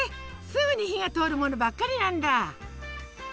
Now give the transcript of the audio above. すぐに火が通るものばっかりなんだ！